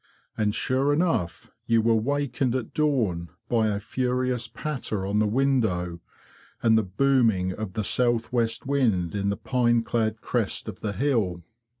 And sure enough you were wakened at dawn by a furious patter on the window, and the booming of the south west wind in the pine clad crest of the hill.